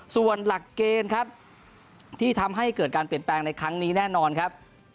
ส่วนหลักเกณฑ์ครับที่ทำให้เกิดการเปลี่ยนแปลงในครั้งนี้แน่นอนครับ